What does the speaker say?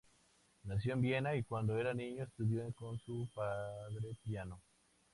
Nació en Viena y cuando era niño estudió con su padre piano.